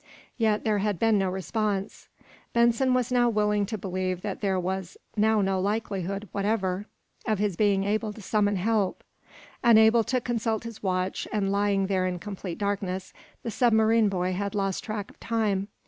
Yet there had been no response. Benson was now willing to believe that there was now no likelihood whatever of his being able to summon help. Unable to consult his watch, and lying there in complete darkness, the submarine boy had lost track of time.